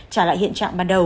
trả lại hiện trạng ban đầu